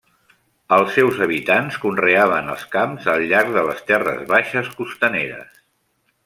Els seus habitants conreaven els camps al llarg de les terres baixes costaneres.